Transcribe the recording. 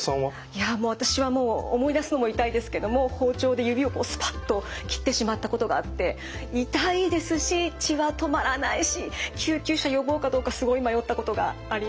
いやもう私はもう思い出すのも痛いですけども包丁で指をこうスパッと切ってしまったことがあって痛いですし血は止まらないし救急車呼ぼうかどうかすごい迷ったことがあります。